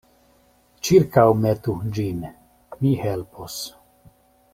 Ĉirkaŭmetu ĝin; mi helpos.